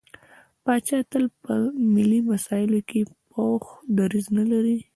پاچا تل په ملي مسايلو کې پوخ دريځ نه لري.